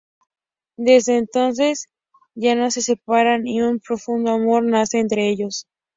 Desde entonces, ya no se separan y un profundo amor nace entre ellos.